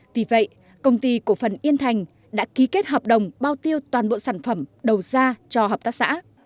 vì vậy công ty cổ phần yên thành đã ký kết hợp đồng bao tiêu toàn bộ sản phẩm đầu ra cho hợp tác xã